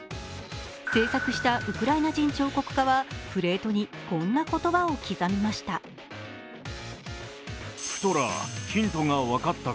制作したウクライナ人彫刻家はプレートにこんな言葉を刻みました。